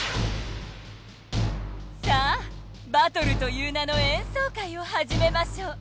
さあバトルという名のえんそう会をはじめましょう！